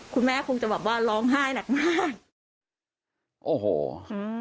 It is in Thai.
คุณแม่คงจะแบบว่าร้องไห้หนักมากโอ้โหอืม